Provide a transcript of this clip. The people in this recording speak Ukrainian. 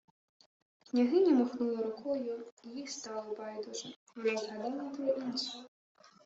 Княгиня махнула рукою, їй стало байдуже. Вона згадала про інше: